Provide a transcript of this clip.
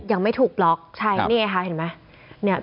ยังไม่ถูกบล็อกใช่นี่ไงค่ะเห็นไหม